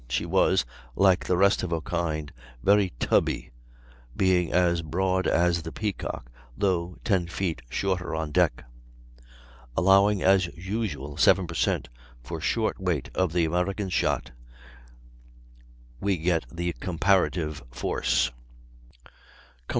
She was, like the rest of her kind, very "tubby," being as broad as the Peacock, though 10 feet shorter on deck. Allowing, as usual, 7 per cent, for short weight of the American shot, we get the COMPARATIVE FORCE. Tons. No.